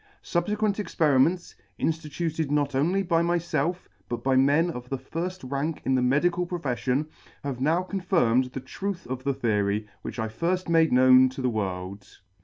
Subfequent experiments, inftituted not only by myfelf, but by men of the lirll rank in the medical profeffion, have now confirmed the truth of the theory which I firfh made known to the world.